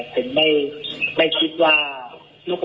ตรงได้ยิงไปที่ตู้กระจกทองสองนับ